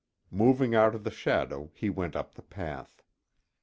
Moving out of the shadow, he went up the path.